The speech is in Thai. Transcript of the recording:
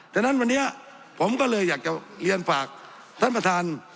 ฉะนั้นวันนี้ผมก็เลยอยากจะเรียนฝากท่านประธาน